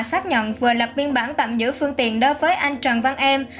xác nhận vừa lập biên bản tạm giữ phương tiện đối với anh trần văn em